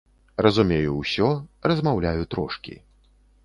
Разумею ўсё, размаўляю трошкі.